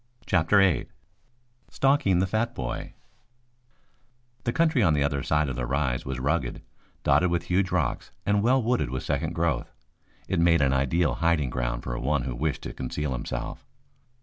CHAPTER VIII STALKING THE FAT BOY The country on the other side of the rise was rugged, dotted with huge rocks and well wooded with second growth. It made an ideal hiding ground for one who wished to conceal himself.